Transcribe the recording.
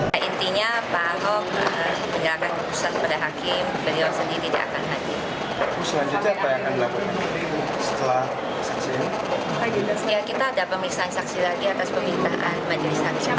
di sini ada pemeriksaan saksi lagi atas permintaan majelis hakim